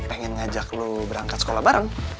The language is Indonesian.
pengen ngajak lu berangkat sekolah bareng